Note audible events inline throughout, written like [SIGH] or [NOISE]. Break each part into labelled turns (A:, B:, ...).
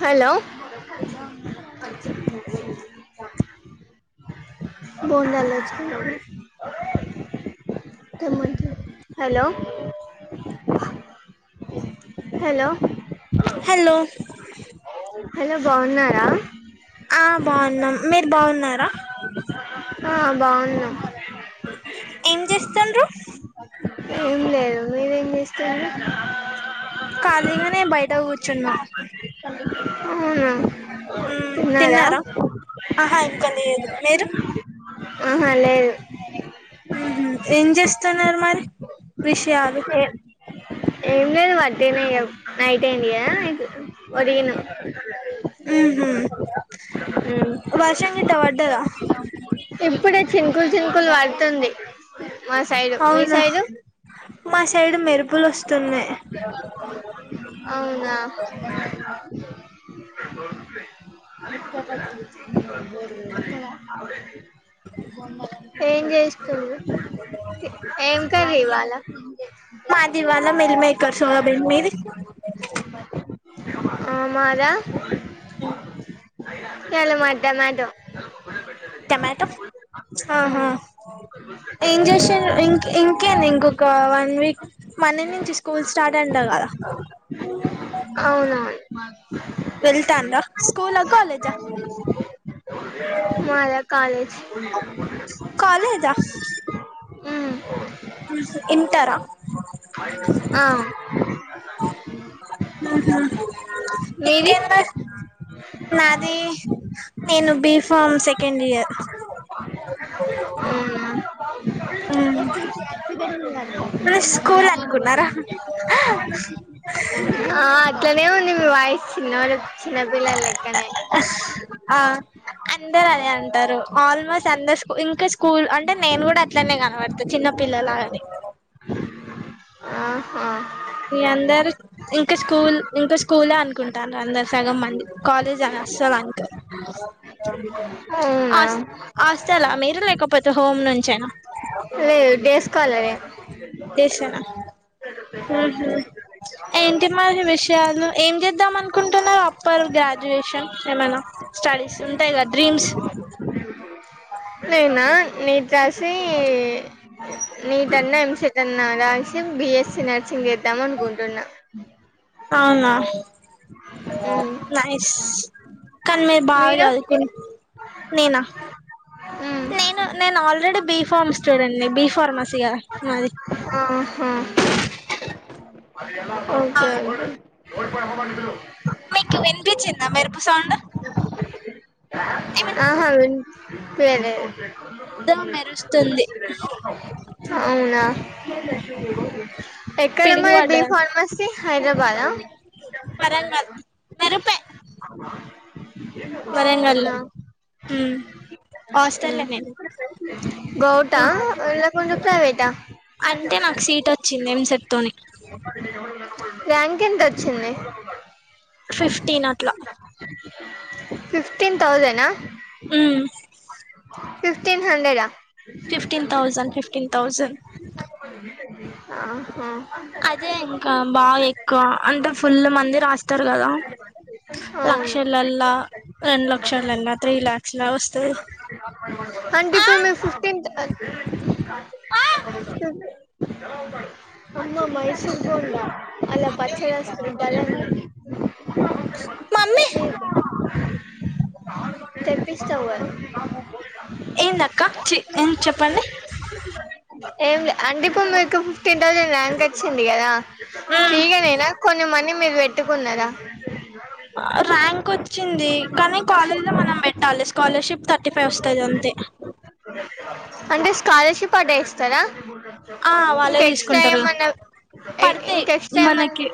A: Hello
B: రండి
A: బోండాలు తెచ్చు హలో హలో
B: హలో
A: హలో బాగున్నారా
B: ఆ బాగున్నాం మీరు బాగున్నారా
A: ఆ బాగున్నాం
B: ఏం చేస్తుడ్రు
A: ఏం లేదు మీరేం చేస్తూరు
B: ఖాళీగా నే బయట కూర్చున్నా
A: అవునా
B: ఉ తిన్నారా
A: ఆహా లేదు
B: ఉమ్మ్ ఏం చేస్తున్నారు మరి విషయాలు
A: ఏ ఏం లేదు వట్టిగానే నైట్ అయిందియా అ ఒరిజినమ్
B: మ్మ్ హ్మ్
A: ఉ
B: ర
A: చినుకులు చినుకులు పడుతుంది మా సైడు మీ
B: అవునా
A: సైడు
B: మా సైడ్ మెరుపుల్ వస్తు
A: అవునా ఏం చేస్తురు
B: మాదివాల మల్ మే కర్సద బెని మీది
A: ఆ మాద [UNINTELLIGIBLE]
B: టమాటో ఆహా
A: ఉ
B: ఏం జేసీరు ఇం ఇంకేం ఇంకొక వన్ వీక్ మ నుంచి స్కూల్ స్టార్ట్ అంట కదా
A: అవునవును
B: వెళ్తాన్దా స్కూల్ కాలేజ
A: మాద కాలేజ్ ఉమ్,
B: ఇంటరా
A: ఆ
B: ఉహ్
A: మీది
B: ఇంకేంది నాది నేను బి ఫామ్ సెకండ్ ఇయర్
A: అవునా?
B: స్కూల్ అను కున్నారా
A: ఆ అట్లనే ఉంది మీ వాయిసు చిన్నడు చిన్నపిల్లల లెక్కనే
B: ఆ అందరు అదే అంటరు ఆల్మోస్ట్ అందూ ఇంకా స్కూల్ అంటే నేను కూడా అట్లనే కనబడతా చిన్న పిల్లలాగానె
A: ఆ ఆ
B: మీ అందరు ఇంకా స్కూల్ ఇంకా స్కూలే అనుకుంటారు అందరు సగం మంది కాలేజ్ అన అసలనుకోరు
A: అవునా
B: హాస్టలా మీరు లేకపోతే హోమ్ నుంచేనా
A: కాలే
B: చేసేనా మ్ హు ఏంటి మరి విషయాలు ఏం చేద్దాం అనుకుంటున్నారు అప్పల్ గ్రాడ్యుయేషన్ ఏమన్నా స్టడీస్ ఉంటాయిగా డ్రీమ్స్
A: నేనా నీట్ రాసీ నీట్ అన్నా ఎం సెట్ అన్న రాసి బిఎస్సీ నర్సింగ్ చేద్దాం అనుకుంటున్నా
B: అవ్నా
A: మ్మ్
B: నైస్ కనీ మీర్ బా
A: మీరు
B: జదుకున్ నేనా
A: మ్మ్
B: నేను నేను ఆల్రెడీ బి ఫార్మ్ స్టూడెంని బి ఫార్మసీగా నాది
A: అహ ఒకే
B: మీకు వినిపించిందా మెరుపు సౌండ్ ఏమన్
A: అహ విన్ పియలేదు
B: పెద్ద మెరుస్తుంది
A: అవ్నా ఎక్కడ మరి బి
B: పిడుగుపడ్డద
A: ఫార్మాసి హైదరాబాదా
B: వరంగల్ కరుపే వరంగల్ లో
A: గౌట లేకుంటే ప్రైవేటా
B: అంటే నాకు సీట్ వచ్చింది ఎంసెట్తోని
A: ర్యాంక్ ఎంత వచ్చింది
B: ఫిఫ్టీన్ అట్ల
A: ఫిఫ్టీన్ తౌజనా
B: మ్మ్
A: ఫిఫ్టీన్ హండ్రెడా
B: ఫిఫ్టీన్ థౌసండ్ ఫిఫ్టీన్ థౌసండ్
A: అహ
B: అదే ఇంకా బాగా ఎక్కువ అంటే ఫుల్ మంది రాస్తారు కదా
A: అవును
B: లక్షలల్ల రెండు లక్షల త్రీ లాక్స్ లా వస్తది
A: అంటే
B: ఆ
A: ఇప్పుడు మేము ఫిఫ్టీన్త్ అ
B: ఆ
A: అన్నా మైసూర్ బోండా అలా పచ్చడెస్కొని
B: మమ్మి
A: తెప్పిస్తావు కదా
B: ఏందక్క చి ఏం చెప్పండి
A: ఏం లే అంటే ఇప్పుడు మీకు ఫిఫ్టీన్ థౌజండ్ ర్యాంక్ వచ్చింది కదా
B: మ్మ్
A: ఫ్రీగా నేనా కొంజం మని మీరు పెట్టుకున్నరా
B: ర్యాంక్ వచ్చింది కానీ కాలేజ్ లో మనం పెట్టాలి స్కాలర్షిప్ థర్టీ ఫైవ్ వస్తది అంతే
A: అంటే స్కాలర్షిప్ అట్లా ఇస్తారా
B: ఆ
A: ఇంక
B: వాళ్ళే
A: ఎక్స్ట్
B: తీసుకుంటారు
A: ఏమన్నా ఐన
B: పడతాయి
A: ఎక్స్ట్రా ఏమన్
B: మనకి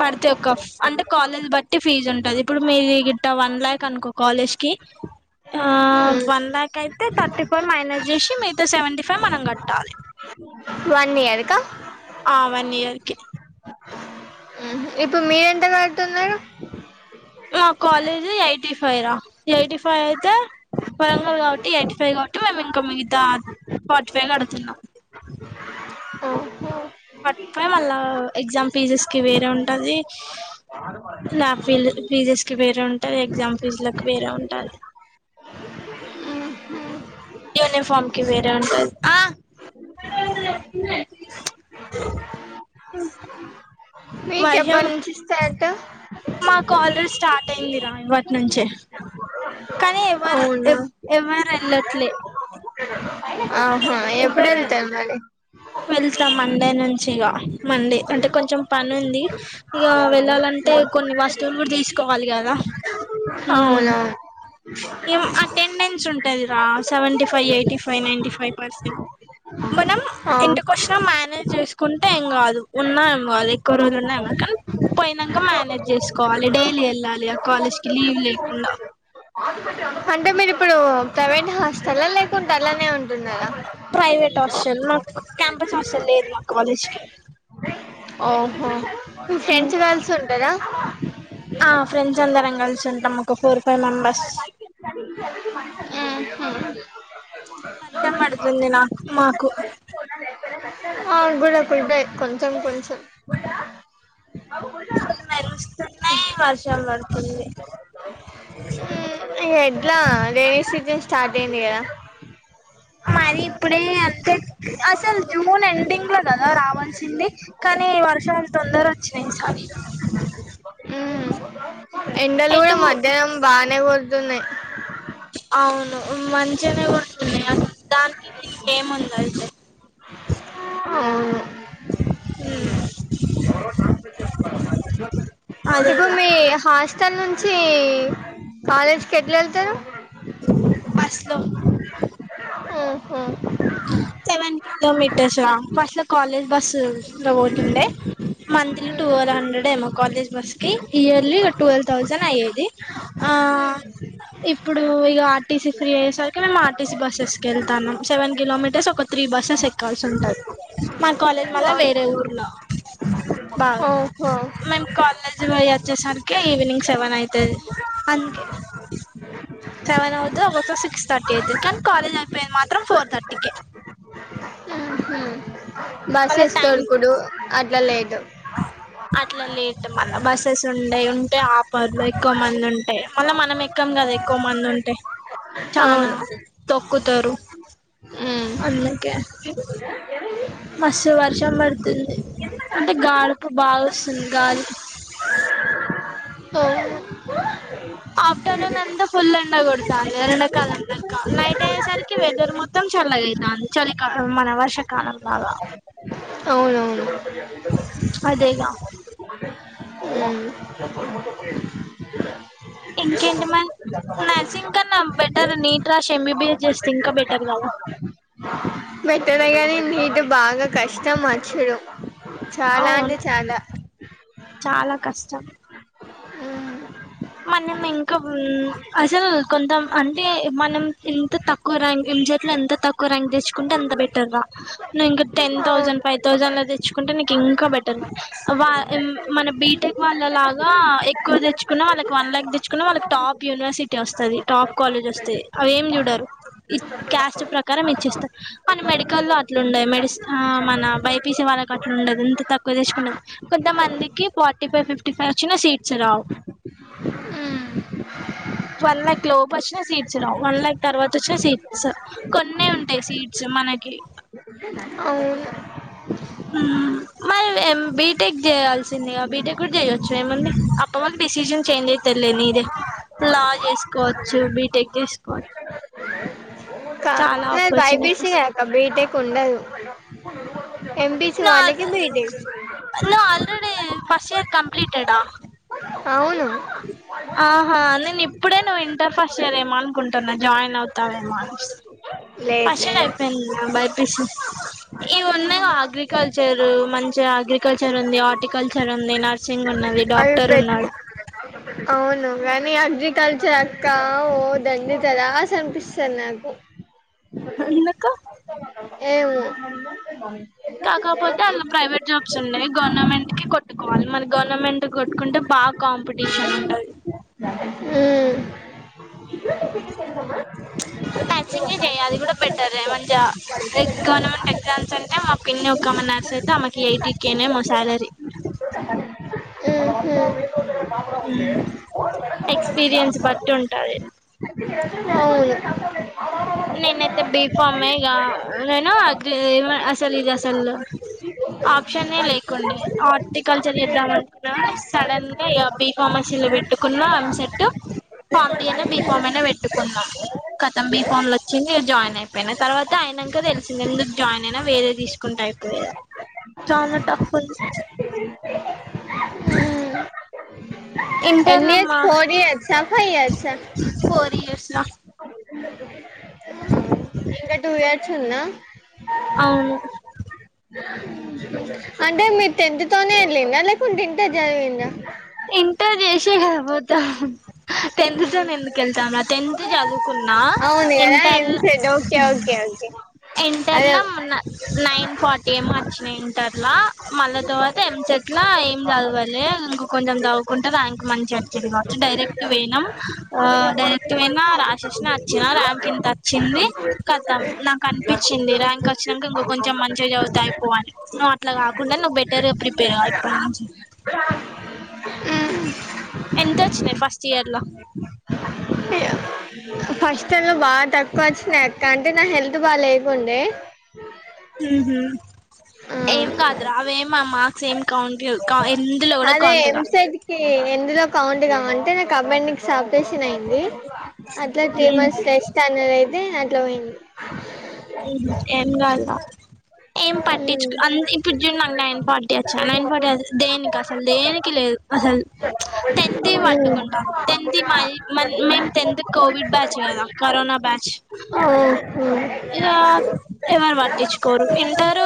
B: పడితే ఒక అంటే కాలేజ్ బట్టి ఫీజ్ ఉంటది ఇప్పుడు మీడి గొట్ట వన్ ల్యాక్ అనుకో కాలేజ్ కి
A: అ
B: ఆ వన్ ల్యాక్ అయితే థర్టీ ఫైవ్ మైనస్ చేసి మీతో సెవెంటీ ఫైవ్ మనం కట్టాలి
A: వన్ ఇయర్కా
B: ఆ వన్ ఇయర్కి
A: ఇప్పు మీరెంత కడుతున్నారు
B: మా కాలేజ్ ఎయిటీ ఫైవ్ రా ఎయిటీ ఫైవ్ అయితే వరంగల్ కాబట్టి ఎయిటీ ఫైవ్ కాబట్టి మేము ఇంకా మిగతా ఫార్టీ ఫైవ్ కడుతున్నా
A: ఒహో
B: ఫార్టీ ఫై మళ్ళా ఎగ్జామ్ ఫీజెస్ కి వేరే ఉంటది లాబ్ ఫిల్ ఫీజెస్ కి వేరే ఉంటది ఎగ్జామ్ ఫీజు లకి వేరే ఉంటాది
A: మ్ హ్మ్
B: యూనిఫామ్ కి వేరే ఉంటది [UNINTELLIGIBLE]
A: మీకెప్పడి నుంచి స్టార్టు
B: మాకాలేజ్ స్టార్ట్ అయిందిరా ఇవటి నుంచే కానీ ఎవ్
A: అవునా ఆహా
B: ఎవరు
A: ఎప్పుడెళ్తారు మరి
B: వెళ్తాం మండే నుంచి ఇగ మండే అంటే కొంచెం పనుంది ఇగ వెళ్ళాలంటే కొన్ని వస్తువులు కూడా తీసుకోవాలి కదా హ్మ్
A: అవునవును
B: ఏం అటెండెన్స్ ఉంటదిరా seventy five eighty five ninety five percent మనం
A: ఆ
B: ఇంటికొచ్చిన మేనేజ్ చేసుకుంటే ఏం గాదు ఉన్నా ఏం గాదు ఎక్కువ రోజులు ఉన్నా ఏ కా కానీ పోయినాంక మేనేజ్ చేసుకోవాలి డైలీ వెళ్ళాలి ఆ కాలేజ్ కి లీవ్ లేకుండా
A: అంటే మీరిప్పుడు ప్రైవేట్ హాస్టల్ లేకుంట అలానే ఉం
B: ప్రైవేట్ ఆస్టెల్ మాకు క్యాంపస్ హస్టల్ లేదు మా కాలేజ్కి
A: ఓహో ఫ్రెండ్స్ కల్సి ఉంటరా
B: ఆ ఫ్రెండ్స్ అందరం కలిసుంటాం ఒక ఫోర్ ఫైవ్ మెంబర్స్
A: మ్ హ్మ్ నోర్
B: వర్షం
A: ముయ్ ఎవరికీ ఇష్టం
B: పడుతుంది నాకు మాకు
A: వున్నా లేకపోయినా అ గుడాకుల్ బ్రేక్ కొంచెం కొంచెం
B: ఫుల్ మెరుస్తున్నాయి వర్షం పడుతుంది
A: ఎడ్లా రైనీసీజన్ స్టార్ట్ అయింది కదా
B: కానీ ఇప్పుడే అంతే అసలు జూన్ ఎండింగ్ లో కదా రావాల్సింది కానీ వర్ష చాల్ తొందర వచ్చినాయి ఈ సారి
A: మ్ ఎండలు గూడా
B: ఎటు
A: మధ్యాహ్నం బానే కొడుతున్నాయి
B: అవును మంచిగనే కొడుతున్నాయి అసలు దానికి దీనికి ఏముంది అయితే
A: అవ్ను
B: హ్మ్
A: ఇప్పుడు మీ హాస్టల్ నుంచి కాలేజ్ కి ఎట్లేళ్తారు
B: బస్లో
A: ఓహొ
B: సెవెన్ కిలోమీటర్స గా ఫస్ట్లో కాలేజ్ బస్సు లో పోతుండే మంత్లీ టువెల్వ్ హండ్రెడ్ ఏమో కాలేజ్ బస్ కి ఇయర్లీ ట్వెల్వ్ థౌజండ్ అయ్యేది
A: మ్
B: ఇప్పుడు ఇగ ఆర్టీసీ ఫ్రీ అయ్యేసరికి మేము ఆర్టీసీ బస్సెస్కెళ్తాన్నాం సెవెన్ కిలోమీటర్స్ ఒక త్రీ బస్సెస్ ఎక్కాల్సి ఉంటది మా కాలేజ్ మళ్ళ వేరే ఊర్లో బవ్
A: ఓహో
B: మేం కాలేజ్ వొయత్ సార్కే ఈవెనింగ్ సెవెన్ అయితది అంద్కె సెవన్ అవుదే ఒక్కోసారి సిక్స్ తర్టీ అయితేది కానీ కాలేజ్ అయిపోయేది మాత్రం ఫోర్ తర్టీ ఇక
A: బస్ ఎస్తడుకుడు అట్లా లేదు
B: అట్లా లేట్ మళ్ళా బస్సెస్ ఉండేయి ఉంటే ఆపర్ ఎక్కువ మంది ఉంటే మళ్ళా మనం ఎక్కుం కదా ఎక్కువ మందుంటే చానా
A: అవును
B: తొక్కుతారు అందుకే మస్తు వర్షం పడుతుంది అంటే గాడపు బాగా వస్తుంది గాలి ఆఫ్టర్నూన్ అంతా ఫుల్ ఎండ కొడుతుంది ఎరండకలు ఎండక నైట్ అయ్యేసరికి వెదర్ మొత్తం చల్లగాయితాంది చలికాలం మన వర్షాకాలం అలా
A: అవునువును
B: అదేగా
A: అవునవును
B: ఇంకేంటి మ నర్సీ ఇంకా నా బెటర్ నీట్ రాష్ ఎమ్బబిస్ చేస్తే ఇంకా బెటర్ కదా
A: ఆ బెటర్ గాని నీట్ బాగా కష్టం మచ్చడు చాలా అంటే
B: అవును
A: చాలా
B: చాలా కష్టం మనం ఇంకా బుల్ అసలు కొంతం అంటే మనం ఇంత తక్కువ ర్యాంక్ల్ జోట్ల ఎంత తక్కువ ర్యాంక్ తెచ్చుకుంటే అంత బెటర్ రా నువ్ ఇంక టెన్ థౌసండ్, ఫైవ్ థౌసండ్ ల తెచ్చుకుంటే ని కింకా బెటర్ వ ఇమ్ మన బిటెక్ వాళ్ళ లాగా ఎక్కువ తెచ్చుకున్నా వా వన్ ల్యాక్ తెచ్చుకున్నా వాళ్ళకి టాప్ యూనివర్సిటీ వస్తది. టాప్ కాలేజ్ వస్తు అవి ఏం చూడరు. ఇస్ క్యాస్ట్ ప్రకారం ఇచ్చిస్తారు మన మెడికల్ల్లో అట్లుండయి మెడి మన బైపీస వా మనకు అట్ల ఉండదు ఎంత తక్కువ తీసుకుంటదు కొంత మందికి ఫార్టీ ఫైవ్, ఫిఫ్టీ ఫైవ్ వచ్చిన సీట్స్ రావు. వన్ లాక్ లోపు వచ్చినా సీట్స్ రావు, వన్ ల్యాక్ తర్వాత వచ్చినా సీట్స్ కొన్ని ఉంటాయి సీట్స్ మనకి
A: అ ఉవ్వ
B: మరి బీటెక్ చేయాల్సిందిగా బీటెక్ కూడా చేయ్యచ్చు ఏముంది అప్ప వాళ్ళ డిసిజన్ చేంజ్ అయి తెదు లే నిదే లా చేసుకోవచ్చు, బీటెక్ చేసుకోవచ్చు.
A: అ
B: చాలా
A: ఎ బైపిసి
B: ఆపర్చునిటీస్
A: ఒక బీటెక్ కుండదు ఎంపీసి వాలకి బిటెక్
B: నువ్ ఆల్రెడి ఫస్ట్ ఇయర్ కంప్లీటెడా?
A: అవును
B: ఆహా నేను ఇప్పుడే నువ్వు ఇంటర్ ఫస్ట్ ఇయర్ ఏమ అనుకుంటున్నా జాయిన్ అవుతావేమో
A: లేదు
B: పషలు
A: లేదు
B: అయిపోయింది బైపిసి ఇవి ఉన్నాయి అగ్రికల్చర్ మంచిగా అగ్రికల్చర్ ఉంది. హార్టికల్చర్ ఉంది నర్సింగ్ ఉన్నాయి. అది డాక్టర్ ఉన్నాడు
A: నాకు ఆల్ ద బెస్ట్ అవును గాని అగ్రికల్చర్ అక్క ఓదండి జ రాసి అనిపిస్తారు నాకు
B: ఎందుకు?
A: ఏవో
B: కాకపోతే అళ్లా ప్రైవేట్ జాబ్స్ ఉన్నాయి. గవర్నమెంట్ కి కొట్టుకోవాలి మరి గవర్నమెంట్ కి కొట్టుకుంటే బా కాల కాంపిటిషన్ ఉంటది.
A: ఉమ్ [UNINTELLIGIBLE]
B: నర్సింగే చేయ్ అది కూడా బెటర్ మంచి గవర్నమెంట్ ఎగ్జామ్స్ అంటే మా పిన్ని ఒక నర్సింగ్ శ్రద్దమ్మ కి ఎయిటీ కేనేమొ శాలరీ
A: ఇప్పుడు కసమిస్
B: మ్ ఎక్స్పీరియన్స్ బట్టి ఉంటాది.
A: ఎన్ని
B: నేనైతే బీఫామే ఇగ నేను ఆహ్ అది అసలు ఇది అసలు. ఆప్షనే లేకుండే హార్టికల్చర్ చేద్దాం అనుకున్నా కానీ సడన్గా ఇగ బి ఫార్మసీ. చిల్ పెట్టుకున్నా ఎంసెట్. ఫామిలీ ఐనా బిఫామ్ అయినా పెట్టుకున్నా కతం బీఫామ్ లా. వచ్చింది జాయిన్ అయిపోయిన తర్వాత ఆయినంక తెలిసింది ఎందుకు జాయిన్ అయినా వేరేది తీసుకుంటే అయిపోయే. చానా టఫ్ ఉంది. ఇంటర్ల
A: ఇయర్స్
B: అమ్మా
A: ఫోర్ ఇయర్సా ఫైవ్ ఇయర్సా
B: ఫోర్ ఇయర్స్లా.
A: ఇంకా టూ ఇయర్స్ ఉందా.
B: అవును.
A: అంటే మీరు టెన్త్ తోనే వెళ్ళిండ్రా లేకుంటే ఇంటర్ జాయిన్ అయ్యిండ్రా.
B: ఇంటర్ చేసే కదా పోతాం టెన్త్ తో ఎందుకు వేళ్తాం రా టెన్త్ చదువు. కున్నా
A: అవును కదా
B: ఇంటర్లా
A: ఎంసెట్ ఓకే ఓకే ఓకే
B: ఇంటర్ల మన.
A: అదే
B: నైన్ ఫార్టీ ఏమో వచ్చినాయి ఇంటర్లా మళ్ళా తర్వాత ఎంసెట్ ల ఏం చదవాలే ఇంకా. కొంచెం చదువుకుంటే ర్యాంక్ మంచిగోచ్చది కావచ్చు డైరెక్ట్ పోయినాం ఆహ్ డైరెక్ట్ పోయినా రాసి. రాసిన వచ్చిన ర్యాంక్ ఇంత వచ్చింది కద్దా నాకు అనిపించింది ర్యాంక్ వచ్చినాంక ఇంక కొంచెం మం. మంచిగా చదువుతే అయిపోవు అని నువ్వు అట్లా కాకుండా నువ్వు బెటర్గా ప్రిపేర్గా ఇప్పటినుంచి.
A: పెట్టినాను.
B: ఎంత వచ్చినాయి ఫస్ట్ ఇయర్ లో.
A: ఫస్ట్ ఇయర్ లో బాగా తక్కువ వచ్చినయక్క అంటే నా హెల్త్ బాగా లేకుండే.
B: ఉమ్మ్
A: ఆ
B: ఏం కాద్రు అవేం మా మార్క్స్ ఏం కౌంట్ చేయి ఏం.
A: అదే ఎంసైట్ కి ఎందులో కౌంట్ కావంటే నేను కంబైడ్. ఆపరేషన్ అయింది అట్లా త్రీ మంత్స్ టెస్ట్ అన్నది అయితే. తాయిన్
B: ఏం కాదురా ఏం
A: ఉమ్.
B: పట్టించుకొ అంతా ఇం. ఇప్పుడు చూడు నాకు నైన్ ఫార్టీ వచ్చాయి నైన్ ఫార్టీ దేనికి అసలు దేనికి లేదు అసలు ప్చ్. టెన్త్ వి
A: ఉమ్.
B: పట్టుకుంటారు టెన్త్ వి మళ్లీ. మన్ మేము టెన్త్ కోవిడ్ బ్యాచ్ కదా కరోనా బ్యాచ్.
A: ఓహో.
B: యా. ఎవరు పట్టించుకోరు ఇంటర్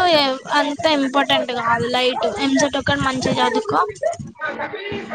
B: అంత ఇంపార్టెంట్ కాదు లైట్ ఎంసట్ ఒక్కటి మంచిగ చదుకో.
A: ఓహో